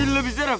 ini lebih serem